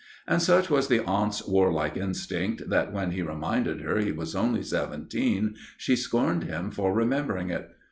And such was the aunt's warlike instinct that when he reminded her he was only seventeen, she scorned him for remembering it.